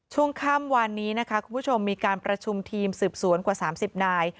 ช่วงค่ำวานนี้นะคะคุณผู้ชมมีการประชุมทีมสืบสวนกว่า๓๐นาย